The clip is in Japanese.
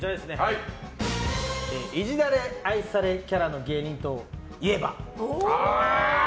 イジられ愛されキャラの芸人といえば？